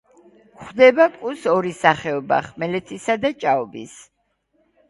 გვხვდება კუს ორი სახეობა: ხმელეთისა და ჭაობის.